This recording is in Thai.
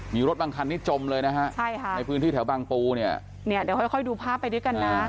มีรถบางคันนี้จมเลยนะฮะใช่ค่ะในพื้นที่แถวบางปูเนี่ยเนี่ยเดี๋ยวค่อยค่อยดูภาพไปด้วยกันนะ